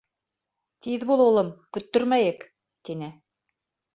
— Тиҙ бул, улым, көттөрмәйек, — тине.